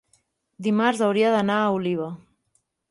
Dimarts hauria d'anar a Oliva.